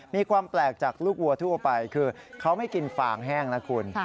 มีความแปลกจากลูกวัวทั่วไปคือเขาไม่กินฟางแห้งนะคุณ